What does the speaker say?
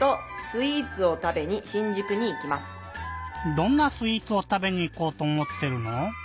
どんなスイーツをたべにいこうとおもってるの？